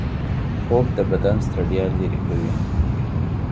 خوب د بدن ستړيا لرې کوي.